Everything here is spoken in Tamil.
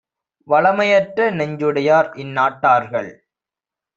வளமையற்ற நெஞ்சுடையார் இந்நாட்டார்கள்